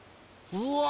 うわ。